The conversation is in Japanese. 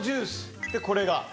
でこれが。